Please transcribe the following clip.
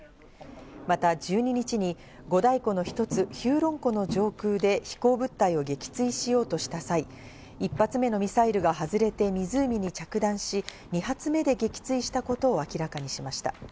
また１２日に五大湖の一つ、ヒューロン湖の上空で飛行物体を撃墜しようとした際、１発目のミサイルが外れて湖に着弾し、２発目で撃墜したことを明らかにしました。